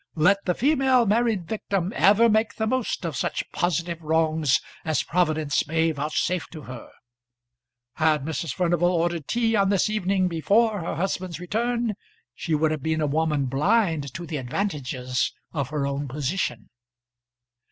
Let the female married victim ever make the most of such positive wrongs as Providence may vouchsafe to her. Had Mrs. Furnival ordered tea on this evening before her husband's return, she would have been a woman blind to the advantages of her own position.